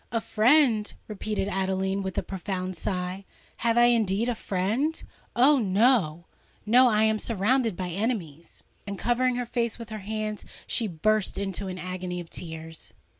"A friend!" repeated Adeline, with a profound sigh: "have I indeed a friend? Oh! no—no: I am surrounded by enemies!" And covering her face with her hands, she burst into an agony of tears.